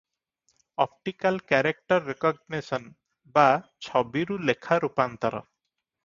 "Optical character recognition" ବା ଛବିରୁ ଲେଖା ରୂପାନ୍ତର ।